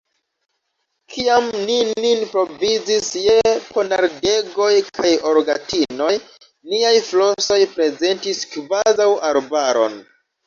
Kiam ni nin provizis je ponardegoj kaj rogatinoj, niaj flosoj prezentis kvazaŭ arbaron.